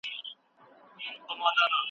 افغان نارینه د کار کولو مساوي حق نه لري.